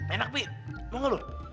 enak pi mau gak lu